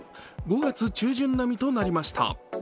５月中旬並みとなりました。